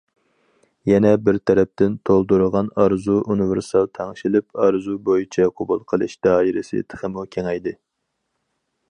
يەنە بىر تەرەپتىن تولدۇرغان ئارزۇ ئۇنىۋېرسال تەڭشىلىپ، ئارزۇ بويىچە قوبۇل قىلىش دائىرىسى تېخىمۇ كېڭەيدى.